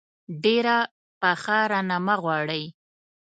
ډېره پخه رانه مه غواړئ.